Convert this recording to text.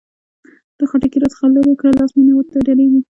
دا خټکي را څخه لري کړه؛ لاس مې نه ورته درېږي.